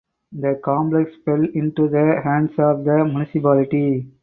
The complex fell into the hands of the municipality.